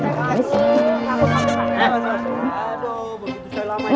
aduh buat gitu saya lama